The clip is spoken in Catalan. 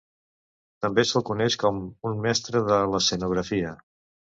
També se'l coneix com un mestre de l'escenografia.